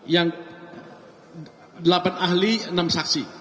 yang delapan ahli enam saksi